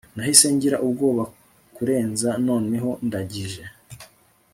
nahise ngira ubwoba kurenza noneho ndangije